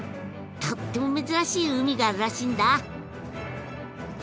とっても珍しい海があるらしいんだ！